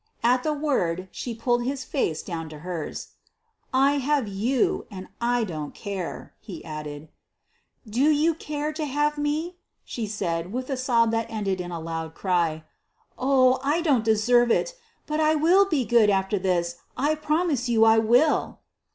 At the word she pulled his face down to hers. "I have you, and I don't care," he added. "Do you care to have me?" she said, with a sob that ended in a loud cry. "Oh! I don't deserve it. But I will be good after this. I promise you I will."